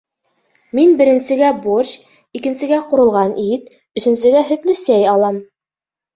Мин беренсегә борщ, икенсегә ҡурылған ит, өсөнсөгә һөтлө сәй алам.